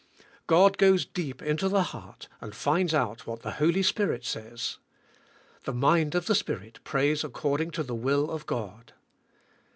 God goes deep into the heart and finds out what the Holy Spirit says. The mind of the Spirit prays according to the will of God.